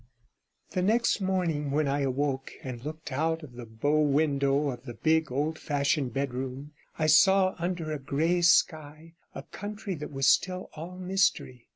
The next morning, when I awoke and looked out of the bow window of the big, old fashioned bedroom, I saw under a grey sky a country that was still all mystery.